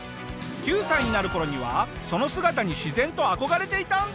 ９歳になる頃にはその姿に自然と憧れていたんだ！